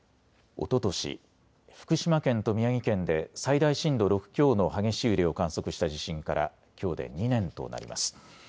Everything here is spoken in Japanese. おととし福島県と宮城県で最大震度６強の激しい揺れを観測した地震からきょうで２年となります。